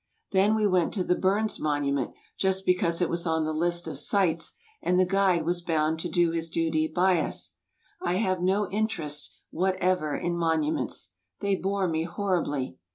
Then we went to the Bums monument just because it wasonthelistof'sighu' and the guide was bound to do his duty by us. I have no interest whatever in monuments. They bore me horribly.